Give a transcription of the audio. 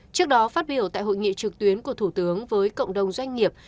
trước đó phát biểu tại hội nghị trực tuyến của thủ tướng với cộng đồng doanh nghiệp